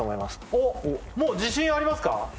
おっもう自信ありますか？